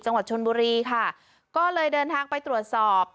จังหวัดชนบุรีค่ะก็เลยเดินทางไปตรวจสอบ